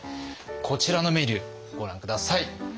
こちらのメニューご覧下さい。